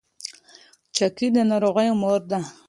چاقي د ناروغیو مور ده.